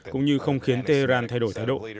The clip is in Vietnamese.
cũng như không khiến tehran thay đổi thái độ